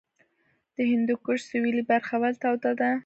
د هندوکش سویلي برخه ولې توده ده؟